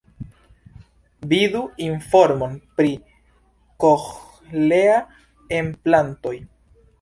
Vidu informon pri koĥlea-enplantoj.